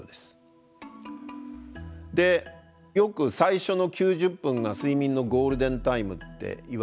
でよく最初の９０分が睡眠のゴールデンタイムっていわれる。